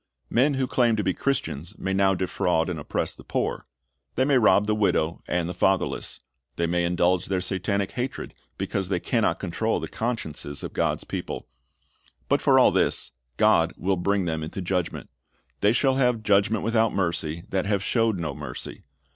"' Men who claim to be Christians may now defraud and oppress the poor; they may rob the widow and the fatherless; they may indulge their Satanic hatred because they can not control the consciences of God's people; but for all thiS' God will bring them into judgment. They "siiall hax'c judgment \\ithout mere)'" that have "showed no mercy."